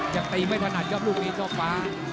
จะตีไม่ถนัดครับลูกนี้ช่อฟ้า